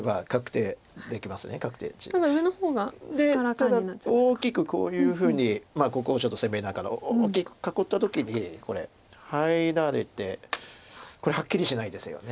ただ大きくこういうふうにここをちょっと攻めながら大きく囲った時にこれ入られてこれはっきりしないですよね。